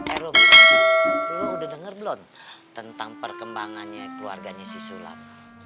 eh lo mi lu udah denger belum tentang perkembangannya keluarganya si sulam